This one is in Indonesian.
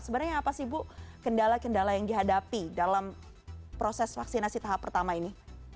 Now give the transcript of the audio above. sebenarnya apa sih bu kendala kendala yang dihadapi dalam proses vaksinasi tahap pertama ini